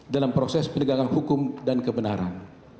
dalam proses penegakan hukum dan kebenaran